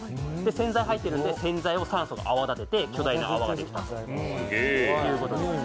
洗剤が入ってるんで洗剤を酸素が泡立てて巨大な泡ができたってことです。